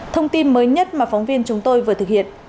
thông tin mới nhất mà phóng viên chúng tôi vừa thực hiện